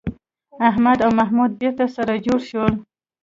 احمد او محمود بېرته سره جوړ شول.